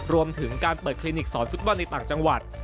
รวมถึงการเปิดคลินิกสอนฟุตบอลในต่างจังหวัด